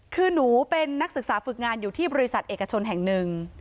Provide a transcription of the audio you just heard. คือหนูเป็นนักศึกษาฝึกงานอยู่ที่บริษัทเอกชนแห่งหนึ่ง